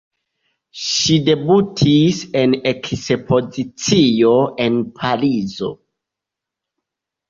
Ŝi debutis en ekspozicio en Parizo.